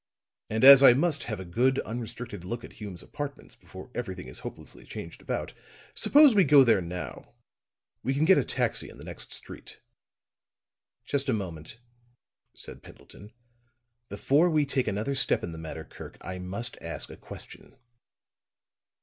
"And as I must have a good unrestricted look at Hume's apartments before everything is hopelessly changed about, suppose we go there now. We can get a taxi in the next street." "Just a moment," said Pendleton. "Before we take another step in the matter, Kirk, I must ask a question."